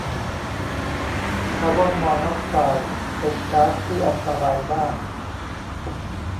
คอร์บอนมอนอกไซด์เป็นก๊าซที่อันตรายมาก